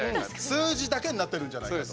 数字だけになってるんじゃないかと。